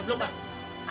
aku gak mau